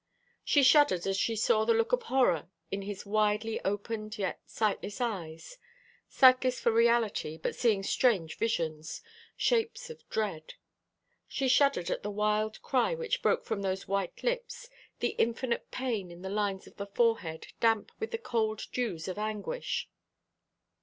She shuddered as she saw the look of horror in his widely opened yet sightless eyes sightless for reality, but seeing strange visions shapes of dread. She shuddered at the wild cry which broke from those white lips, the infinite pain in the lines of the forehead, damp with the cold dews of anguish.